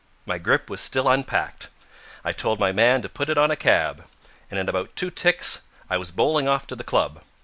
My grip was still unpacked. I told my man to put it on a cab. And in about two ticks I was bowling off to the club.